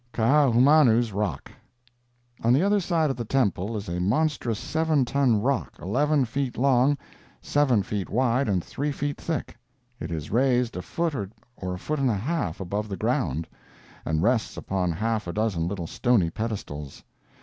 KAAHUMANU'S ROCK On the other site of the temple is a monstrous seven ton rock, eleven feet long, seven feet wide and three feet thick. It is raised a foot or a foot and a half above the ground, and rests upon half a dozen little stony pedestals.